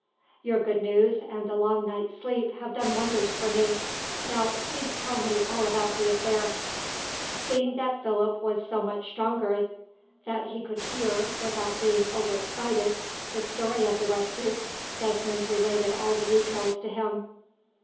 Your good news, and a long night's sleep, have done wonders for me. Now, please tell me all about the affair." Seeing that Philip was so much stronger that he could hear, without being overexcited, the story of the rescue, Desmond related all the details to him.